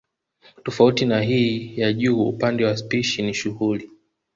Tofauti na hii ya juu upande wa spishi ni shughuli